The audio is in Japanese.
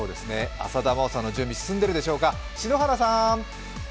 浅田真央さんの準備進んでいるでしょうか？